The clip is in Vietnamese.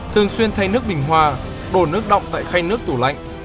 thường xuyên thay nước bình hòa đổ nước đọng tại khay nước tủ lạnh